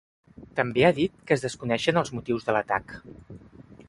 També ha dit que es desconeixen els motius de l’atac.